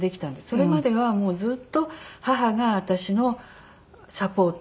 それまではずっと母が私のサポート。